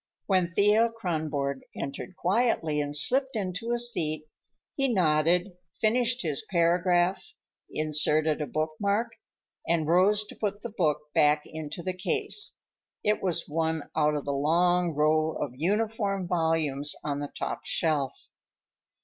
When Thea Kronborg entered quietly and slipped into a seat, he nodded, finished his paragraph, inserted a bookmark, and rose to put the book back into the case. It was one out of the long row of uniform volumes on the top shelf.